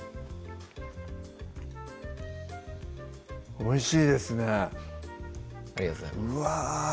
おいしいですねありがとうございますうわ